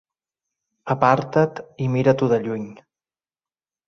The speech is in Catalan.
Aparta't i mira-t'ho de lluny.